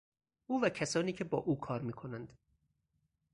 او و کسانی که با او کار میکنند